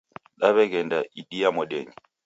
Daw'eghenda idia modenyi.